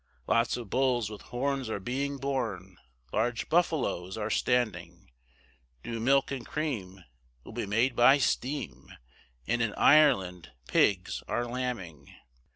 Lots of bulls with horns are being born, Large buffaloes are standing, New milk and cream will be made by steam, And in Ireland pigs are lambing.